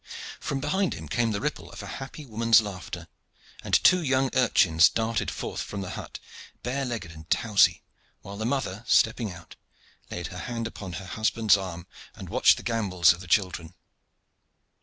From behind him came the ripple of a happy woman's laughter, and two young urchins darted forth from the hut, bare legged and towsy, while the mother, stepping out, laid her hand upon her husband's arm and watched the gambols of the children.